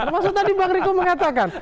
maksud tadi bang riko mengatakan